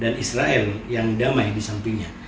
dan israel yang damai di sampingnya